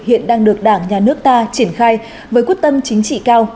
hiện đang được đảng nhà nước ta triển khai với quyết tâm chính trị cao